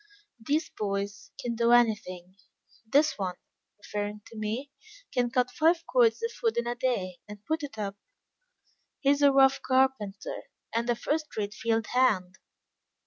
These boys can do anything. This one," referring to me, "can cut five cords of wood in a day, and put it up. He is a rough carpenter, and a first rate field hand.